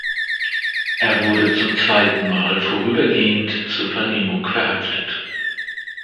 Er wurde zum zweiten Mal vorübergehend zur Vernehmung verhaftet.